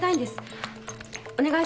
お願いします。